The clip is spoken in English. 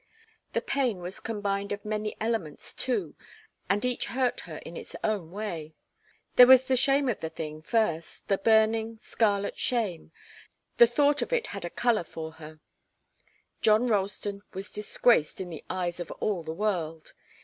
The pain was combined of many elements, too, and each hurt her in its own way. There was the shame of the thing, first, the burning, scarlet shame the thought of it had a colour for her. John Ralston was disgraced in the eyes of all the world.